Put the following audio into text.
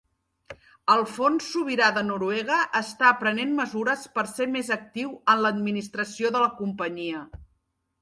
El fons sobirà de Noruega està prenent mesures per ser més actiu en l'administració de la companyia.